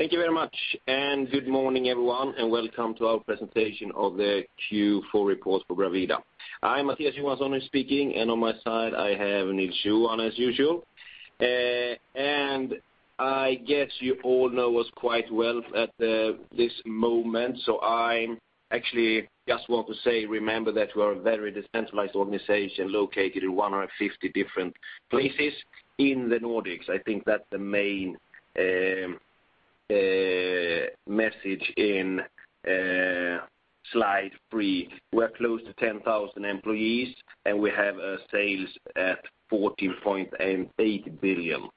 Thank you very much, good morning, everyone, and welcome to our presentation of the Q4 report for Bravida. I'm Mattias Johansson speaking, and on my side, I have Nils-Johan, as usual. I guess you all know us quite well at this moment, so I actually just want to say, remember that we are a very decentralized organization located in 150 different places in the Nordics. I think that's the main message in slide three. We're close to 10,000 employees, and we have a sales at 14.8 billion.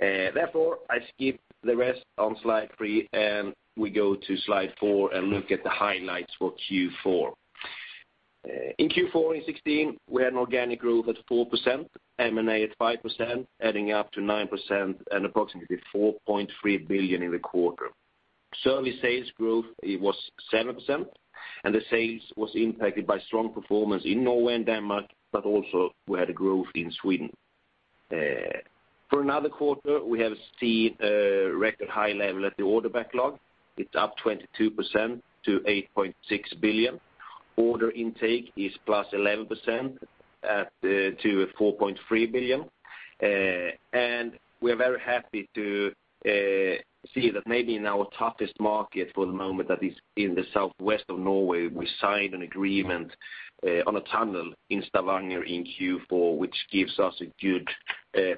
Therefore, I skip the rest on slide three, and we go to slide four and look at the highlights for Q4. In Q4 in 2016, we had an organic growth at 4%, M&A at 5%, adding up to 9% and approximately 4.3 billion in the quarter. Service sales growth, it was 7%, and the sales was impacted by strong performance in Norway and Denmark, but also we had a growth in Sweden. For another quarter, we have seen a record high level at the order backlog. It's up 22% to 8.6 billion. Order intake is +11% to 4.3 billion. We are very happy to see that maybe in our toughest market for the moment, that is in the southwest of Norway, we signed an agreement on a tunnel in Stavanger in Q4, which gives us a good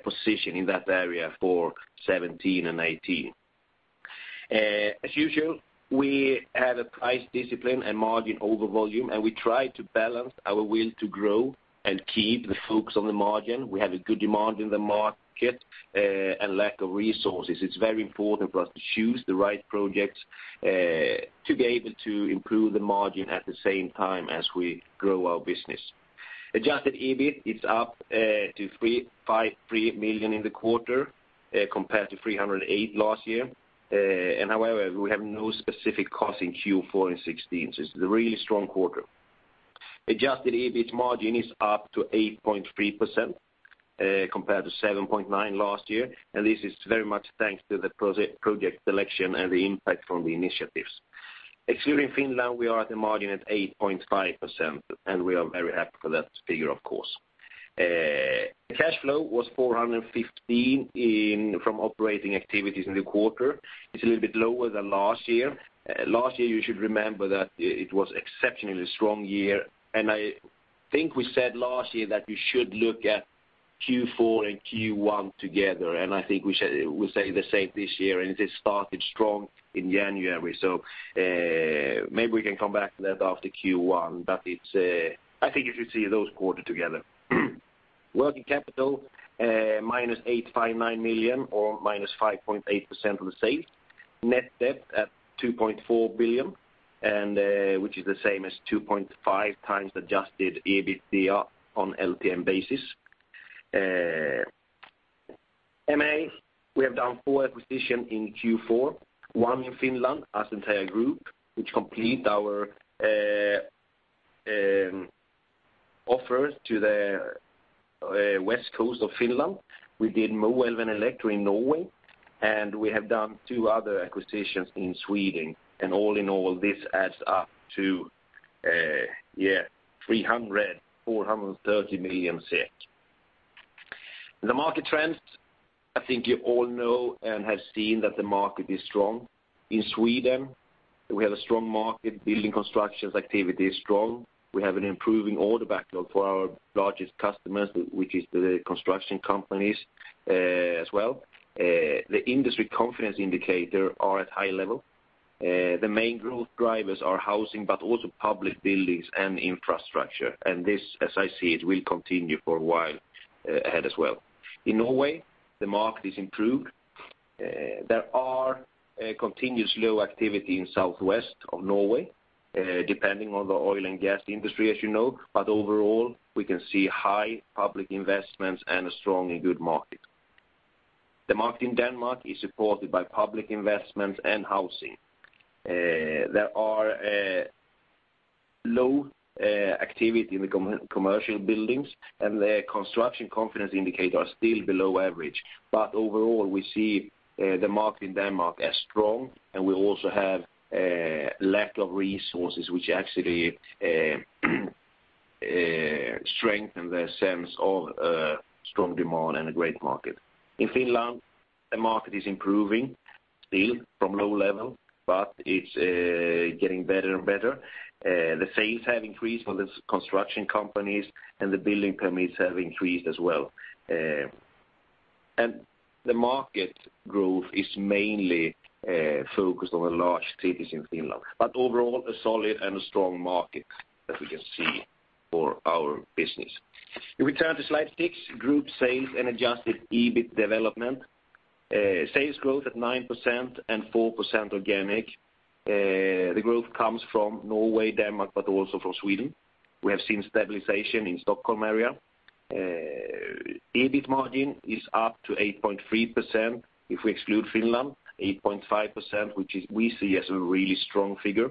position in that area for 2017 and 2018. As usual, we have a price discipline and margin over volume, we try to balance our will to grow and keep the focus on the margin. We have a good demand in the market, lack of resources. It's very important for us to choose the right projects to be able to improve the margin at the same time as we grow our business. Adjusted EBIT, it's up to 353 million in the quarter compared to 308 last year. However, we have no specific costs in Q4 in 2016. It's a really strong quarter. Adjusted EBIT margin is up to 8.3% compared to 7.9% last year, this is very much thanks to the project selection and the impact from the initiatives. Excluding Finland, we are at a margin at 8.5%. We are very happy for that figure, of course. Cash flow was 415 million from operating activities in the quarter. It's a little bit lower than last year. Last year, you should remember that it was exceptionally strong year. I think we said last year that you should look at Q4 and Q1 together. I think we say the same this year. It has started strong in January. Maybe we can come back to that after Q1, but it's, I think you should see those quarter together. Working capital, minus 859 million or minus 5.8% of the sales. Net debt at 2.4 billion, which is the same as 2.5x adjusted EBITDAR on LTM basis. We have done four acquisition in Q4, one in Finland, as entire group, which complete our offers to the west coast of Finland. We did Moelven Elektro in Norway, and we have done two other acquisitions in Sweden, and all in all, this adds up to 300 million, 430 million. The market trends, I think you all know and have seen that the market is strong. In Sweden, we have a strong market, building constructions activity is strong. We have an improving order backlog for our largest customers, which is the construction companies, as well. The industry confidence indicator are at high level. The main growth drivers are housing, but also public buildings and infrastructure, and this, as I see it, will continue for a while ahead as well. In Norway, the market is improved. There are a continuous low activity in southwest of Norway, depending on the oil and gas industry, as you know, but overall, we can see high public investments and a strong and good market. The market in Denmark is supported by public investment and housing. There are a low activity in the commercial buildings, and the construction confidence indicator are still below average. Overall, we see the market in Denmark as strong, and we also have a lack of resources, which actually strengthen the sense of a strong demand and a great market. In Finland, the market is improving, still from low level, it's getting better and better. The sales have increased for the construction companies, the building permits have increased as well. The market growth is mainly focused on the large cities in Finland, overall, a solid and a strong market, as we can see for our business. If we turn to slide six, group sales and adjusted EBIT development. Sales growth at 9% and 4% organic. The growth comes from Norway, Denmark, also from Sweden. We have seen stabilization in Stockholm area. EBIT margin is up to 8.3%. If we exclude Finland, 8.5%, we see as a really strong figure.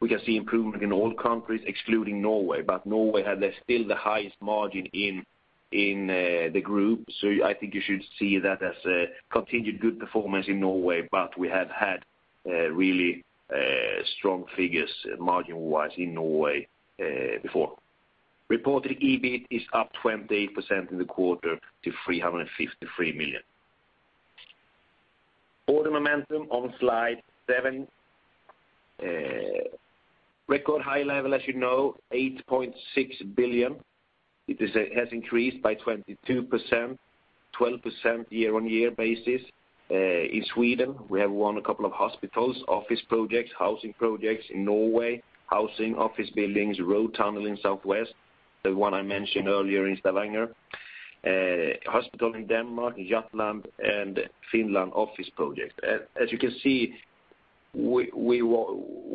We can see improvement in all countries excluding Norway. Norway had still the highest margin in the group. I think you should see that as a continued good performance in Norway, but we have had really strong figures margin-wise in Norway before. Reported EBIT is up 28% in the quarter to 353 million. Order momentum on slide seven, record high level, as you know, 8.6 billion. It has increased by 22%, 12% year-on-year basis. In Sweden, we have won a couple of hospitals, office projects, housing projects in Norway, housing, office buildings, road tunnel in southwest, the one I mentioned earlier in Stavanger. Hospital in Denmark, Jutland, and Finland office project. As you can see, we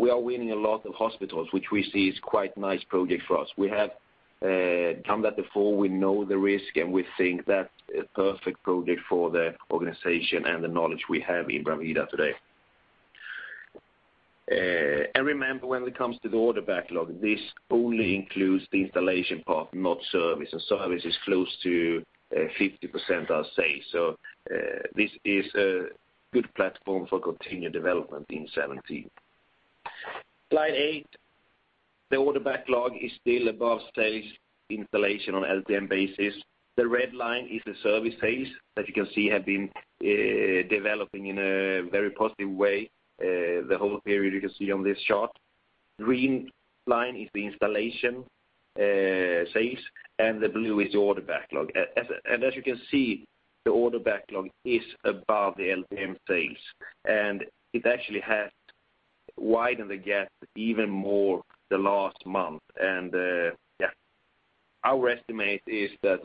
are winning a lot of hospitals, which we see is quite nice project for us. We have done that before, we know the risk, and we think that's a perfect project for the organization and the knowledge we have in Bravida today. Remember, when it comes to the order backlog, this only includes the installation part, not service, and service is close to 50%, I'll say. This is a good platform for continued development in 2017. Slide eight, the order backlog is still above sales installation on LTM basis. The red line is the service sales, as you can see, have been developing in a very positive way, the whole period you can see on this chart. Green line is the installation sales, and the blue is the order backlog. As you can see, the order backlog is above the LTM sales, and it actually has widened the gap even more the last month. Yeah, our estimate is that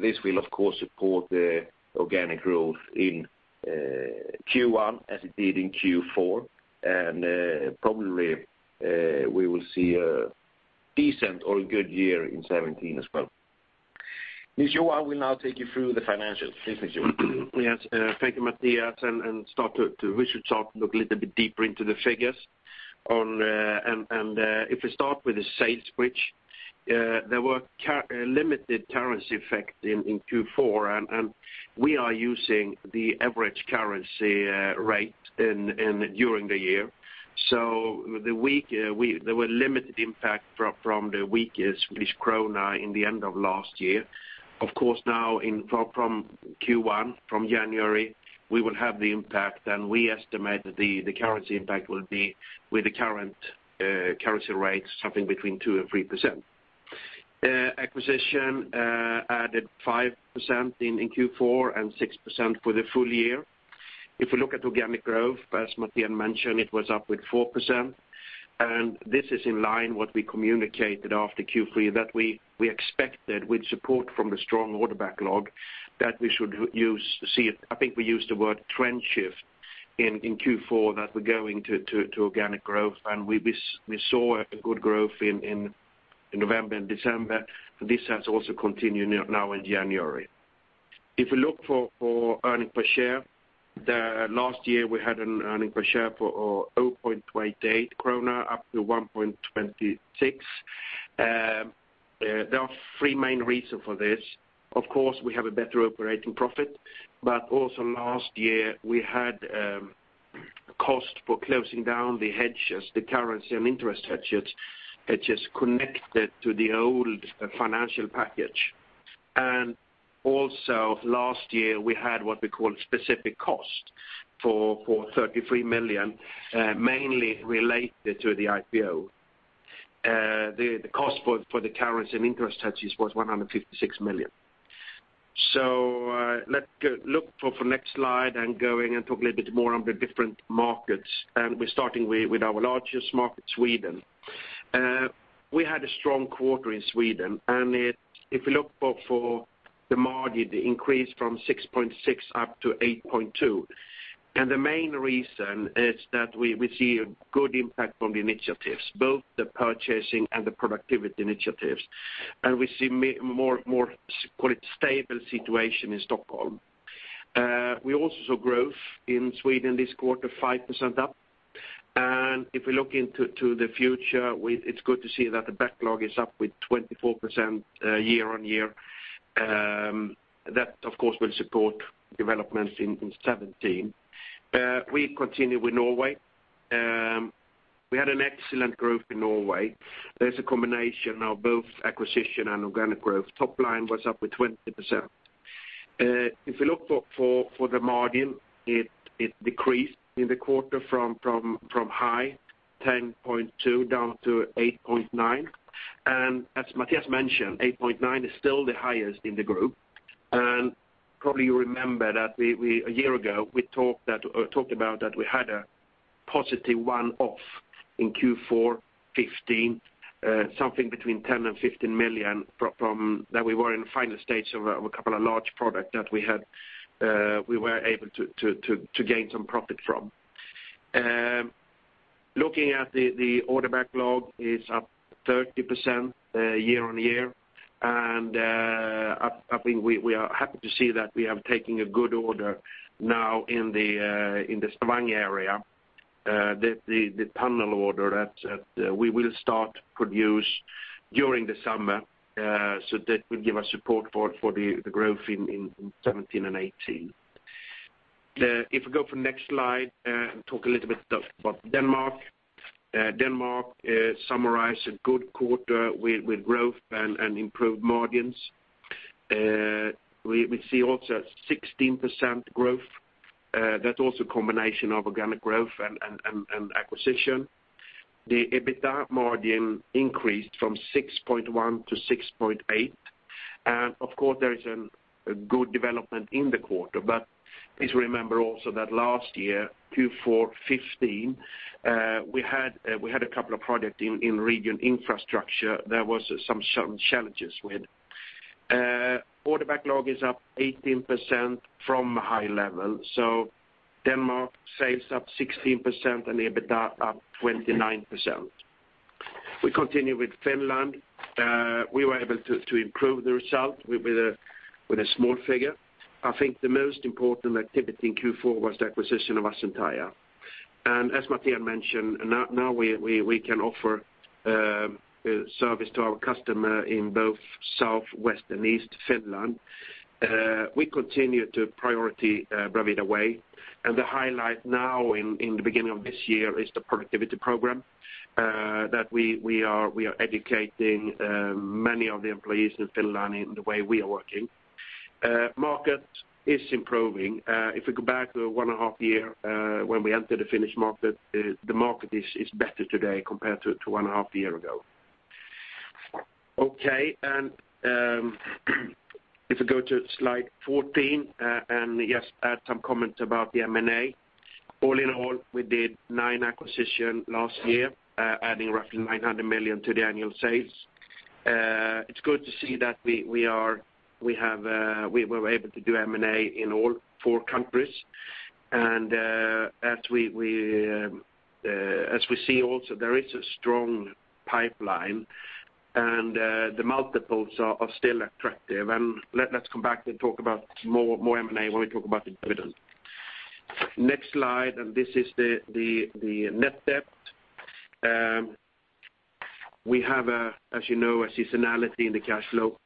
this will, of course, support the organic growth in Q1, as it did in Q4, and probably we will see a decent or good year in 2017 as well. Johan will now take you through the financials. Please, Johan. Yes, thank you, Mattias, and we should start to look a little bit deeper into the figures on. If we start with the sales switch, there were limited currency effect in Q4, and we are using the average currency rate during the year. There were limited impact from the weakest Swedish krona in the end of last year. Of course, now in from Q1, from January, we will have the impact, and we estimate that the currency impact will be with the current currency rates, something between 2%-3%. Acquisition added 5% in Q4 and 6% for the full year. If we look at organic growth, as Mattias mentioned, it was up with 4%. This is in line what we communicated after Q3, that we expected with support from the strong order backlog, that we should see it, I think we used the word trend shift in Q4, that we're going to organic growth. We saw a good growth in November and December. This has also continued now in January. If we look for earning per share, the last year, we had an earning per share for 0.28 krona, up to 1.26. There are three main reason for this. Of course, we have a better operating profit. Also last year, we had cost for closing down the hedges, the currency and interest hedges connected to the old financial package. Also, last year, we had what we call specific cost for 33 million, mainly related to the IPO. The cost for the currency and interest hedges was 156 million. Let's go look for the next slide and going and talk a little bit more on the different markets, and we're starting with our largest market, Sweden. We had a strong quarter in Sweden, and if you look for the margin, it increased from 6.6% up to 8.2%. The main reason is that we see a good impact from the initiatives, both the purchasing and the productivity initiatives, and we see more, call it, stable situation in Stockholm. We also saw growth in Sweden this quarter, 5% up. If we look into the future, it's good to see that the backlog is up with 24% year-on-year. That, of course, will support development in 2017. We continue with Norway. We had an excellent growth in Norway. There's a combination of both acquisition and organic growth. Top line was up with 20%. If you look for the margin, it decreased in the quarter from high 10.2% down to 8.9%. As Mattias mentioned, 8.9% is still the highest in the group. Probably you remember that we, a year ago, we talked about that we had a positive one-off in Q4 2015, something between 10 million-15 million from that we were in final stages of a couple of large product that we had, we were able to gain some profit from. Looking at the order backlog is up 30% year on year. I think we are happy to see that we are taking a good order now in the Stavanger area, the tunnel order that we will start produce during the summer. So that will give us support for the growth in 2017 and 2018. If we go for next slide, talk a little bit about Denmark. Denmark summarize a good quarter with growth and improved margins. We see also 16% growth, that's also a combination of organic growth and acquisition. The EBITDA margin increased from 6.1-6.8. Of course, there is a good development in the quarter. Please remember also that last year, Q4 2015, we had a couple of project in region infrastructure, there was some challenges with. Order backlog is up 18% from a high level. Denmark sales up 16% and EBITDA up 29%. We continue with Finland. We were able to improve the result with a small figure. I think the most important activity in Q4 was the acquisition of Asentaja. As Mattias mentioned, now we can offer service to our customer in both south, west, and east Finland. We continue to priority The Bravida Way, the highlight now in the beginning of this year is the productivity program that we are educating many of the employees in Finland in the way we are working. Market is improving. If we go back to 1.5 years, when we entered the Finnish market, the market is better today compared to 1.5 years ago. Okay, if you go to slide 14, just add some comments about the M&A. All in all, we did 9 acquisitions last year, adding roughly 900 million to the annual sales. It's good to see that we were able to do M&A in all four countries. As we see also, there is a strong pipeline, and the multiples are still attractive. Let's come back and talk about more M&A when we talk about the dividend. Next slide. This is the net debt. We have, as you know, a seasonality in the cash flow.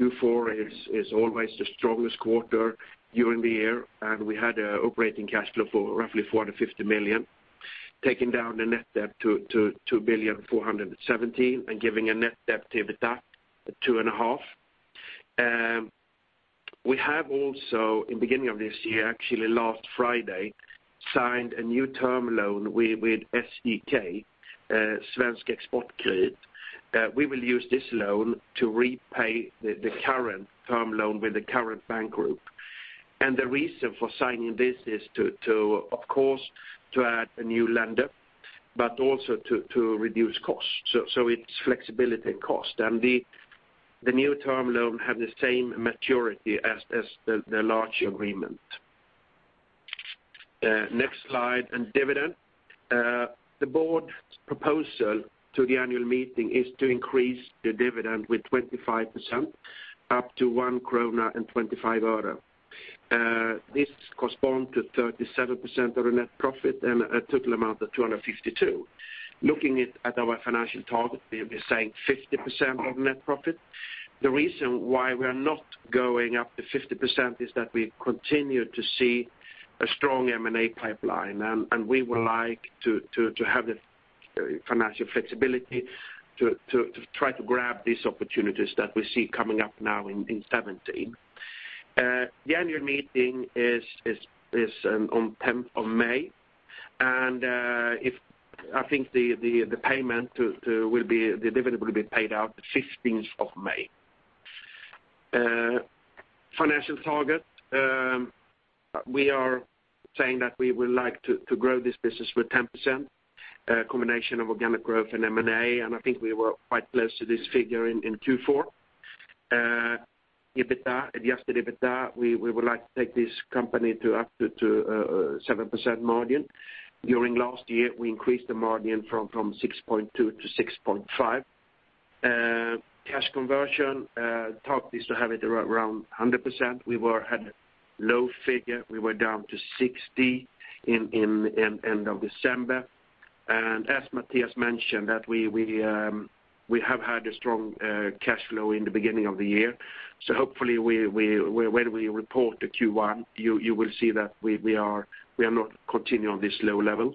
Q4 is always the strongest quarter during the year, and we had a operating cash flow for roughly 450 million, taking down the net debt to 2,000,000,417, and giving a net debt to EBITDA of 2.5. We have also, in the beginning of this year, actually last Friday, signed a new term loan with SEK, Svensk Exportkredit. We will use this loan to repay the current term loan with the current bank group. The reason for signing this is to, of course, to add a new lender, but also to reduce costs. It's flexibility and cost, and the new term loan have the same maturity as the larger agreement. Next slide, and dividend. The board's proposal to the annual meeting is to increase the dividend with 25%, up to 1.25 krona. This correspond to 37% of the net profit and a total amount of 252. Looking at our financial target, we are saying 50% of net profit. The reason why we are not going up to 50% is that we continue to see a strong M&A pipeline, and we would like to have the financial flexibility to try to grab these opportunities that we see coming up now in 2017. The annual meeting is on 10th of May, and I think the payment will be, the dividend will be paid out 15th of May. Financial target, we are saying that we would like to grow this business with 10%, a combination of organic growth and M&A. I think we were quite close to this figure in Q4. EBITDA, adjusted EBITDA, we would like to take this company to up to 7% margin. During last year, we increased the margin from 6.2-6.5. Cash conversion target is to have it around 100%. We were at a low figure. We were down to 60 in end of December. As Mattias mentioned, that we have had a strong cash flow in the beginning of the year. Hopefully we, when we report the Q1, you will see that we are not continuing on this low level.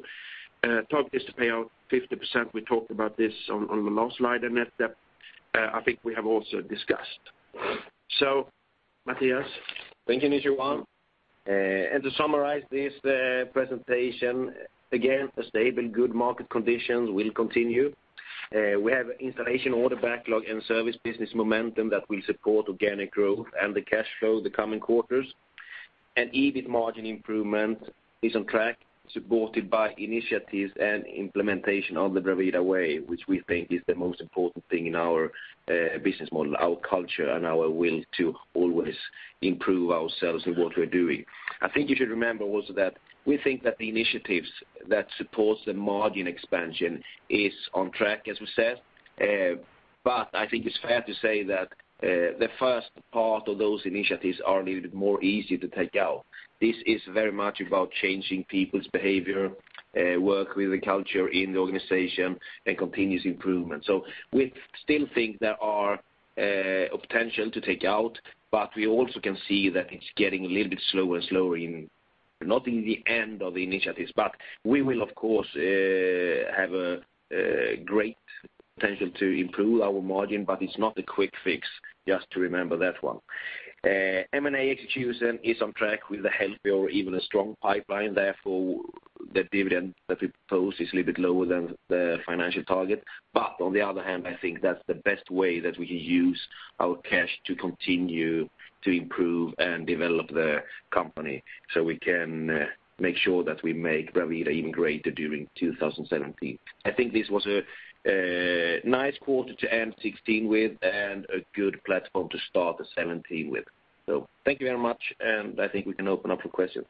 Target is to pay out 50%. We talked about this on the last slide. Net debt, I think we have also discussed. Mattias? Thank you, Nils-Johan. To summarize this presentation, again, the stable good market conditions will continue. We have installation order backlog and service business momentum that will support organic growth and the cash flow the coming quarters. EBIT margin improvement is on track, supported by initiatives and implementation of The Bravida Way, which we think is the most important thing in our business model, our culture, and our will to always improve ourselves in what we're doing. I think you should remember also that we think that the initiatives that supports the margin expansion is on track, as we said. I think it's fair to say that the first part of those initiatives are a little bit more easy to take out. This is very much about changing people's behavior, work with the culture in the organization, and continuous improvement. We still think there are a potential to take out, but we also can see that it's getting a little bit slower and slower in, not in the end of the initiatives. We will, of course, have a great potential to improve our margin, but it's not a quick fix, just to remember that one. M&A execution is on track with a healthy or even a strong pipeline, therefore, the dividend that we propose is a little bit lower than the financial target. On the other hand, I think that's the best way that we can use our cash to continue to improve and develop the company, so we can make sure that we make Bravida even greater during 2017. I think this was a nice quarter to end 2016 with and a good platform to start the 2017 with. Thank you very much, and I think we can open up for questions.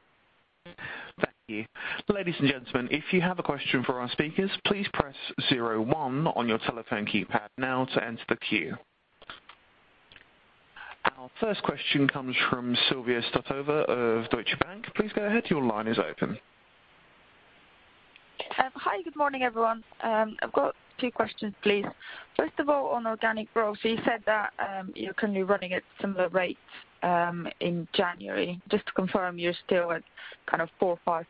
Thank you. Ladies and gentlemen, if you have a question for our speakers, please press zero one on your telephone keypad now to enter the queue. Our first question comes from Silvia Stotova of Deutsche Bank. Please go ahead. Your line is open. Hi, good morning, everyone. I've got two questions, please. First of all, on organic growth, you said that you're currently running at similar rates in January. Just to confirm, you're still at kind of 4%-5%?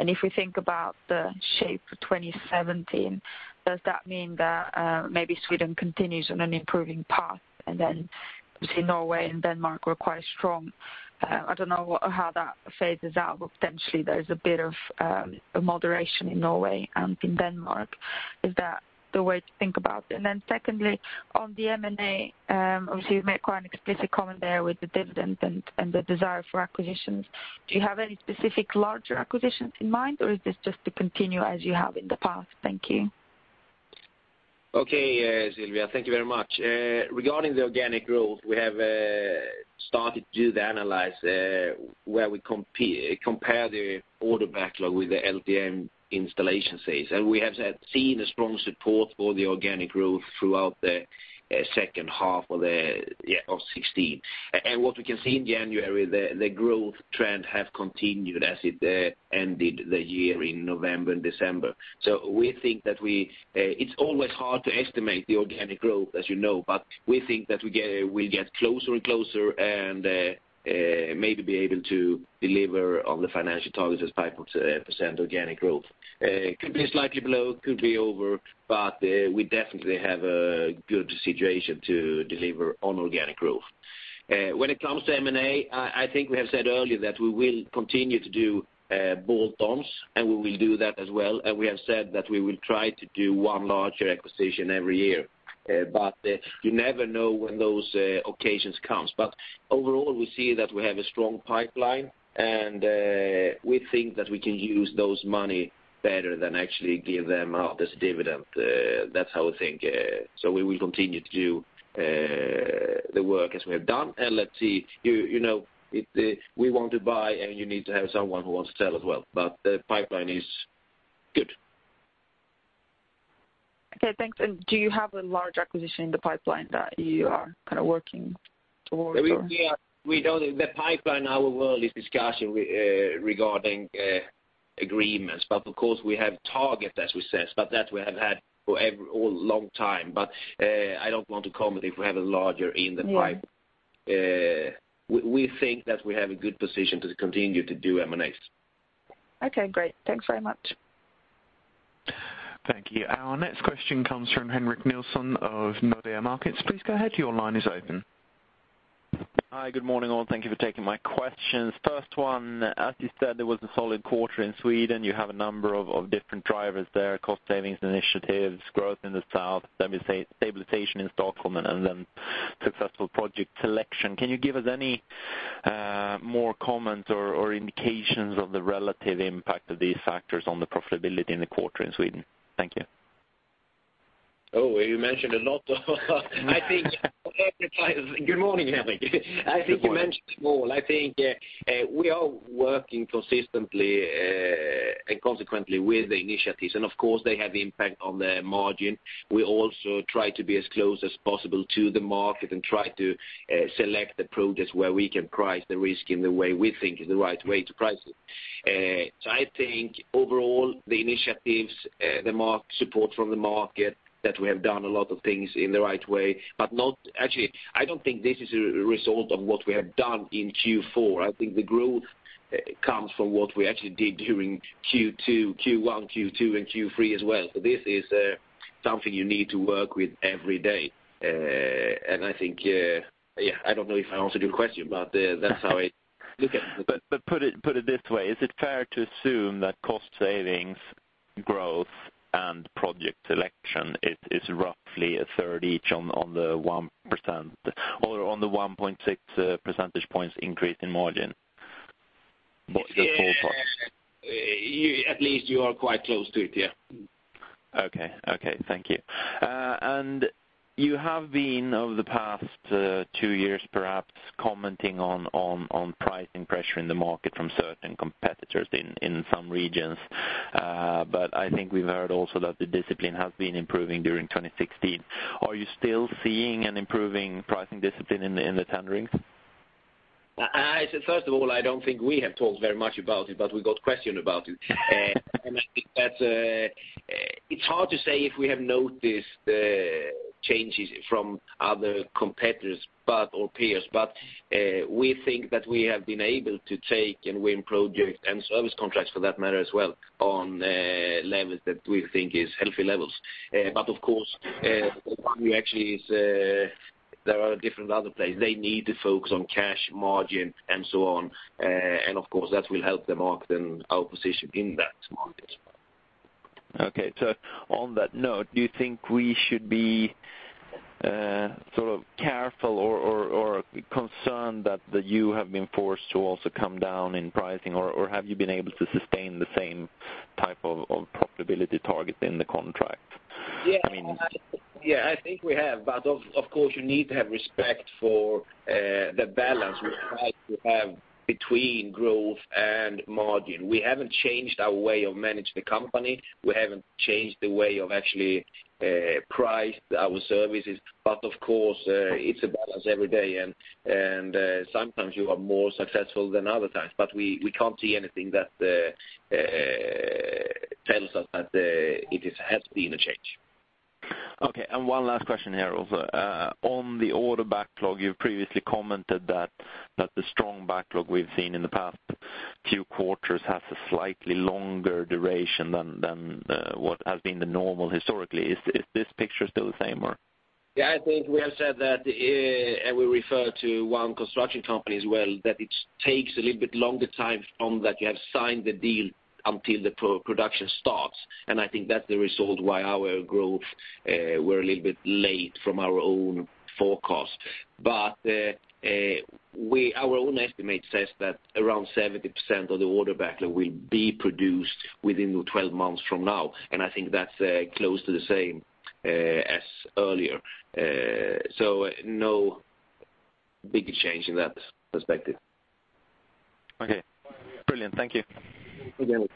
If we think about the shape of 2017, does that mean that maybe Sweden continues on an improving path, and then we see Norway and Denmark were quite strong? I don't know how that phases out, but potentially there's a bit of a moderation in Norway and in Denmark. Is that the way to think about it? Secondly, on the M&A, obviously you made quite an explicit comment there with the dividend and the desire for acquisitions. Do you have any specific larger acquisitions in mind, or is this just to continue as you have in the past? Thank you. Okay, Silvia, thank you very much. Regarding the organic growth, we have started to do the analysis where we compare the order backlog with the LTM installation phase. We have had seen a strong support for the organic growth throughout the second half of 2016. What we can see in January, the growth trend have continued as it ended the year in November and December. We think that we It's always hard to estimate the organic growth, as you know, but we think that we get closer and closer, and maybe be able to deliver on the financial targets as 5% organic growth. Could be slightly below, could be over, but we definitely have a good situation to deliver on organic growth. When it comes to M&A, I think we have said earlier that we will continue to do bolt-ons, and we will do that as well. We have said that we will try to do one larger acquisition every year. You never know when those occasions comes. Overall, we see that we have a strong pipeline, and we think that we can use those money better than actually give them out as dividend. That's how I think. We will continue to do the work as we have done, and let's see. You know, it, we want to buy, and you need to have someone who wants to sell as well, but the pipeline is good. Okay, thanks. Do you have a large acquisition in the pipeline that you are kind of working towards or? We know the pipeline, our world is discussion regarding agreements. Of course, we have target, as we said, but that we have had for a long time. I don't want to comment if we have a larger in the pipe. Yeah. We think that we have a good position to continue to do M&As. Okay, great. Thanks very much. Thank you. Our next question comes from Henrik Nilsson of Nordea Markets. Please go ahead. Your line is open. Hi, good morning, all. Thank you for taking my questions. First one, as you said, there was a solid quarter in Sweden. You have a number of different drivers there, cost savings initiatives, growth in the south, let me say, stabilization in Stockholm, and then successful project selection. Can you give us any more comment or indications of the relative impact of these factors on the profitability in the quarter in Sweden? Thank you. Oh, you mentioned a lot. Good morning, Henrik. Good morning. I think you mentioned it all. I think, we are working consistently and consequently with the initiatives, and of course, they have impact on the margin. We also try to be as close as possible to the market and try to select the projects where we can price the risk in the way we think is the right way to price it. I think overall, the initiatives, the support from the market, that we have done a lot of things in the right way, but not. Actually, I don't think this is a result of what we have done in Q4. I think the growth comes from what we actually did during Q2, Q1, Q2, and Q3 as well. This is something you need to work with every day. I think, yeah, I don't know if I answered your question, but that's how I look at it. Put it this way, is it fair to assume that cost savings, growth and project selection, it is roughly a third each on the 1% or on the 1.6 percentage points increase in margin? What's the full part? You, at least you are quite close to it, yeah. Okay. Okay, thank you. You have been over the past, two years, perhaps commenting on pricing pressure in the market from certain competitors in some regions. I think we've heard also that the discipline has been improving during 2016. Are you still seeing an improving pricing discipline in the tenderings? I first of all, I don't think we have talked very much about it, but we got questioned about it. I think that it's hard to say if we have noticed the changes from other competitors, or peers. We think that we have been able to take and win projects and service contracts for that matter as well, on levels that we think is healthy levels. Of course, we actually, there are different other places. They need to focus on cash margin and so on. Of course, that will help the market and our position in that market. On that note, do you think we should be, sort of careful or concerned that the you have been forced to also come down in pricing? Have you been able to sustain the same type of profitability target in the contract? Yeah. I mean- Yeah, I think we have, but of course, you need to have respect for the balance we try to have between growth and margin. We haven't changed our way of manage the company, we haven't changed the way of actually price our services. Of course, it's a balance every day, and sometimes you are more successful than other times. We can't see anything that tells us that it is has been a change. Okay, one last question here. On the order backlog, you've previously commented that the strong backlog we've seen in the past few quarters has a slightly longer duration than what has been the normal historically. Is this picture still the same or? Yeah, I think we have said that, and we refer to one construction company as well, that it takes a little bit longer time from that you have signed the deal until the production starts. I think that's the result why our growth, we're a little bit late from our own forecast. Our own estimate says that around 70% of the order backlog will be produced within 12 months from now, and I think that's close to the same as earlier. No big change in that perspective. Okay, brilliant. Thank you. Thank you.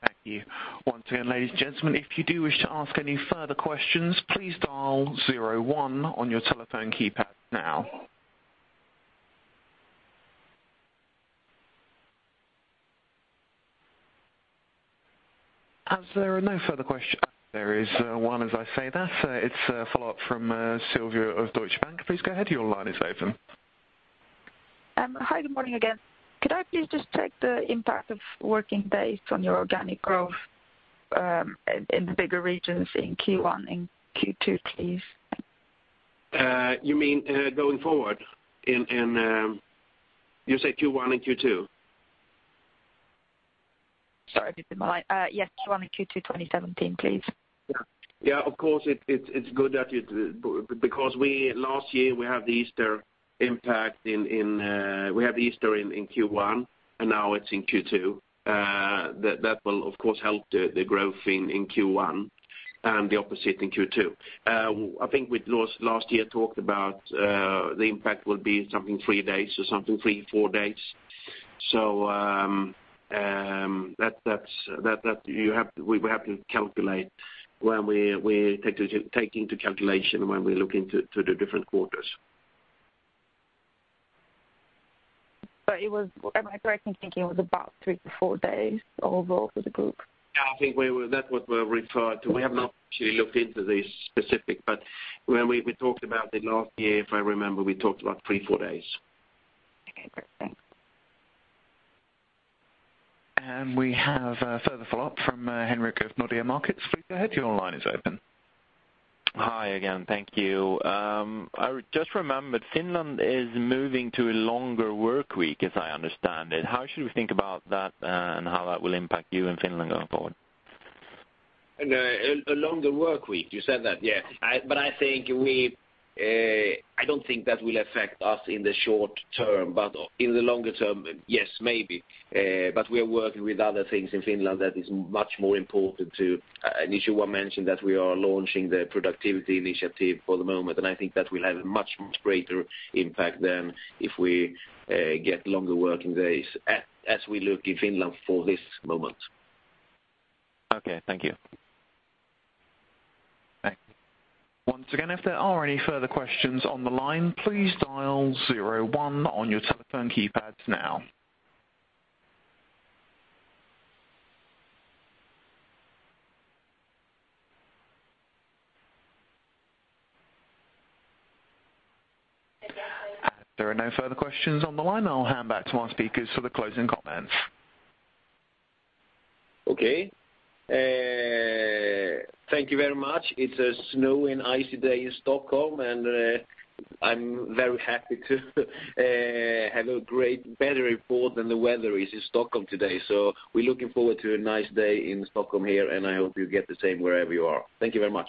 Thank you. Once again, ladies and gentlemen, if you do wish to ask any further questions, please dial 01 on your telephone keypad now. There is one as I say that, it's a follow-up from Silvia of Deutsche Bank. Please go ahead, your line is open. Hi, good morning again. Could I please just check the impact of working days on your organic growth in the bigger regions in Q1 and Q2, please? You mean, going forward in, you say Q1 and Q2? Sorry, did my line... yes, Q1 and Q2 2017, please. Yeah, of course, it's good that you. We, last year, we had the Easter impact in, we had Easter in Q1, and now it's in Q2. That will of course, help the growth in Q1, and the opposite in Q2. I think we last year talked about the impact will be something three days or something, three days, fourdays. We have to calculate when we take into calculation, when we look into the different quarters. Am I correct in thinking it was about 3-4 days overall for the group? I think we were, that what were referred to. We have not actually looked into this specific, but when we talked about it last year, if I remember, we talked about 3-4 days. Okay, great. Thanks. We have a further follow-up from, Henrik of Nordea Markets. Please go ahead, your line is open. Hi again, thank you. I just remembered Finland is moving to a longer workweek, as I understand it. How should we think about that, and how that will impact you in Finland going forward? A longer workweek, you said that? Yes. I think we, I don't think that will affect us in the short term, but in the longer term, yes, maybe. We are working with other things in Finland that is much more important to... Nils-Johan mentioned that we are launching the productivity initiative for the moment. I think that will have a much, much greater impact than if we get longer working days, as we look in Finland for this moment. Okay, thank you. Thank you. Once again, if there are any further questions on the line, please dial zero one on your telephone keypads now. As there are no further questions on the line, I'll hand back to our speakers for the closing comments. Okay. Thank you very much. It's a snowy and icy day in Stockholm, and I'm very happy to have a great better report than the weather is in Stockholm today. We're looking forward to a nice day in Stockholm here, and I hope you get the same wherever you are. Thank you very much.